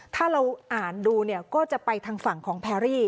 ถ้าเราอ่านดูเนี่ยก็จะไปทางฝั่งของแพรรี่